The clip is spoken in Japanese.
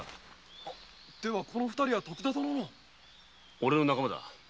ではこの二人は徳田殿の？おれの仲間だ。